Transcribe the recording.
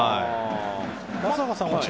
松坂さんは？